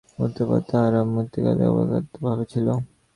উৎপত্তির পূর্বে তাহারা ঐ মৃত্তিকাতেই অব্যক্তভাবে ছিল।